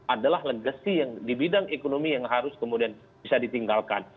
adalah legacy yang di bidang ekonomi yang harus kemudian bisa ditinggalkan